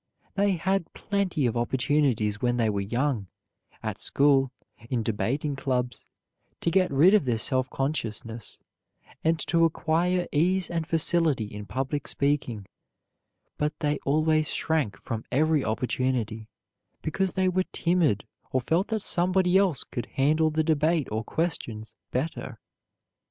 They had plenty of opportunities when they were young, at school, in debating clubs to get rid of their self consciousness and to acquire ease and facility in public speaking, but they always shrank from every opportunity, because they were timid, or felt that somebody else could handle the debate or questions better.